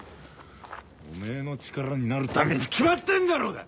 おめぇの力になるために決まってんだろうが！